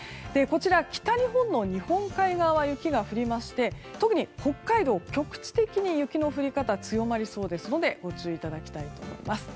北日本の日本海側は雪が降りまして特に北海道、局地的に雪の降り方強まりますのでご注意いただきたいと思います。